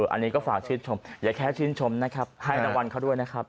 อันนี้ก็ฝากชื่นชมอย่าแค่ชื่นชมนะครับให้รางวัลเขาด้วยนะครับ